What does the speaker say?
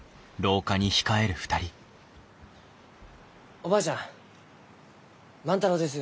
おばあちゃん万太郎です。